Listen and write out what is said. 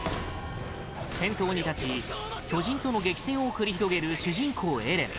先頭に立ち巨人との激戦を繰り広げる主人公エレン。